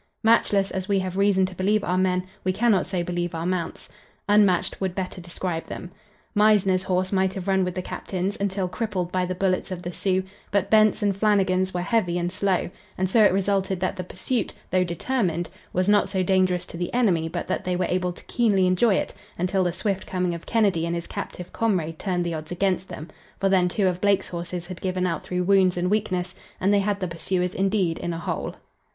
Matchless as we have reason to believe our men, we cannot so believe our mounts. Unmatched would better describe them. Meisner's horse might have run with the captain's, until crippled by the bullets of the Sioux, but Bent's and Flannigan's were heavy and slow, and so it resulted that the pursuit, though determined, was not so dangerous to the enemy but that they were able to keenly enjoy it, until the swift coming of Kennedy and his captive comrade turned the odds against them, for then two of Blake's horses had given out through wounds and weakness, and they had the pursuers indeed "in a hole."